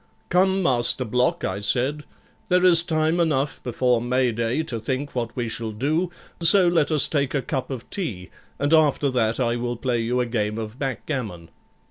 'Come, Master Block,' I said, 'there is time enough before May Day to think what we shall do, so let us take a cup of tea, and after that I will play you a game of backgammon.'